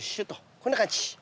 こんな感じ。